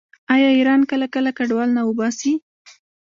آیا ایران کله کله کډوال نه وباسي؟